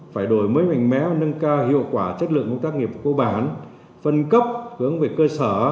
pháp luật về cơ sở